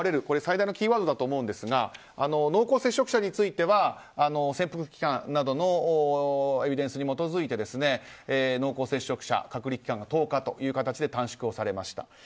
これが最大のキーワードだと思いますが濃厚接触者については潜伏期間などのエビデンスに基づいて濃厚接触者隔離期間が１０日という形で短縮をされました。